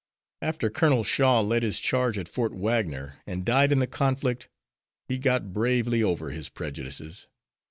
After Colonel Shaw led his charge at Fort Wagner, and died in the conflict, he got bravely over his prejudices.